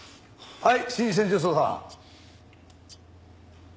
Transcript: はい。